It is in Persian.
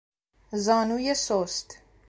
زانوی سست